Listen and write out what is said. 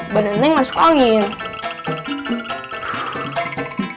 berenang masuk angin